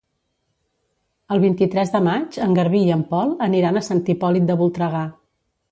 El vint-i-tres de maig en Garbí i en Pol aniran a Sant Hipòlit de Voltregà.